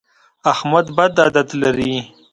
احمد بد عادت لري.